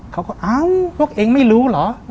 เขาก็เอ้าพวกเองไม่รู้เหรอ